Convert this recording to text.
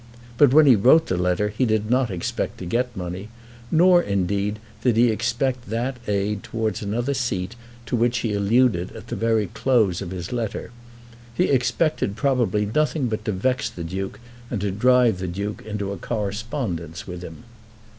But when he wrote the letter he did not expect to get money, nor, indeed, did he expect that aid towards another seat, to which he alluded at the close of his letter. He expected probably nothing but to vex the Duke, and to drive the Duke into a correspondence with him.